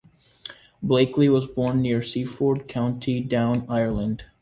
Blakeley was born near Seaford, County Down, Ireland.